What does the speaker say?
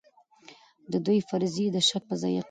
د دوی فرضيې د شک پر ځای يقين دي.